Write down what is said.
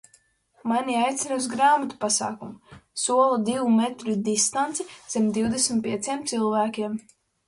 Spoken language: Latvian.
Mani aicina uz grāmatu pasākumu, sola divu metru distanci, zem divdesmit pieciem cilvēkiem.